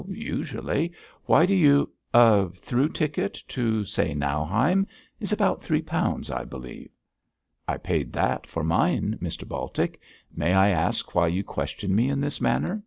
'Usually! Why do you ' 'A through ticket to say Nauheim is about three pounds, I believe?' 'I paid that for mine, Mr Baltic. May I ask why you question me in this manner?'